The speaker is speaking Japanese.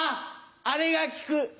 あれが効く。